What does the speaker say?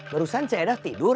barusan caya doh tidur